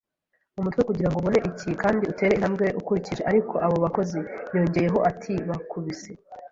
umutwe kugirango ubone ikibi kandi utere intambwe ukurikije. Ariko abo bakozi, ”yongeyeho ati:“ bakubise